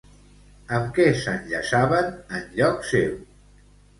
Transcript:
Amb què s'enllaçaven en lloc seu?